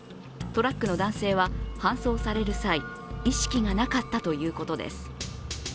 トラックの男性は搬送される際意識がなかったということです。